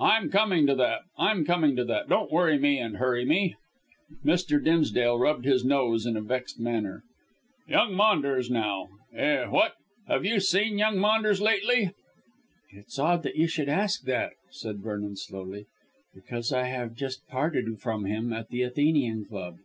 "I'm coming to that; I'm coming to that. Don't worry me and hurry me." Mr. Dimsdale rubbed his nose in a vexed manner. "Young Maunders, now. Eh, what? Have you seen young Maunders lately?" "It's odd you should ask that," said Vernon slowly, "because I have just parted from him at the Athenian Club."